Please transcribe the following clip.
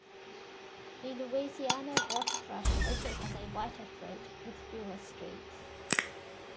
The Louisiana waterthrush also has a whiter throat with fewer streaks.